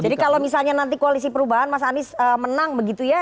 jadi kalau misalnya nanti koalisi perubahan mas andries menang begitu ya